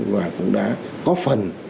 và cũng đã có phần